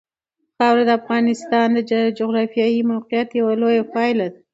خاوره د افغانستان د جغرافیایي موقیعت یوه لویه پایله ده.